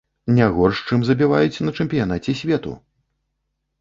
Не горш, чым забіваюць на чэмпіянаце свету!